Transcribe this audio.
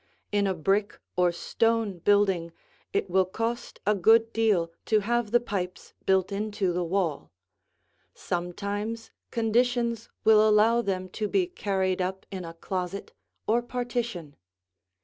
In a brick or stone building, it will cost a good deal to have the pipes built into the wall. Sometimes conditions will allow them to be carried up in a closet or partition.